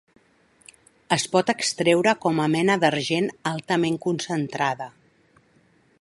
Es pot extreure com a mena d'argent altament concentrada.